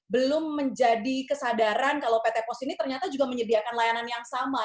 belum menjadi kesadaran kalau pt pos ini ternyata juga menyediakan layanan yang sama